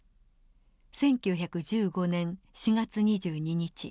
１９１５年４月２２日。